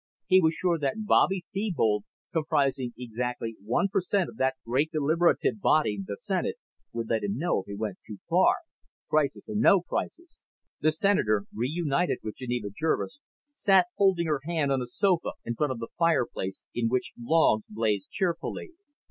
He was sure that Bobby Thebold, comprising exactly one percent of that great deliberative body, the Senate, would let him know if he went too far, crisis or no crisis. The Senator, reunited with Geneva Jervis, sat holding her hand on a sofa in front of the fireplace in which logs blazed cheerfully.